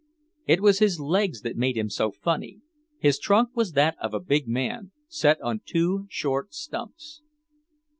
It was his legs that made him so funny; his trunk was that of a big man, set on two short stumps.